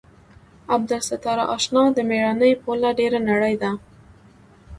عبدالستاره اشنا د مېړانې پوله ډېره نرۍ ده.